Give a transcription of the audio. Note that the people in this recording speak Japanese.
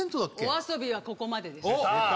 お遊びはここまでです